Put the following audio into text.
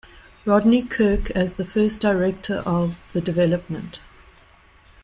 Rodney Kirk as the first Director of the Development.